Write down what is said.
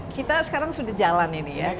kita sekarang sudah jalan ini ya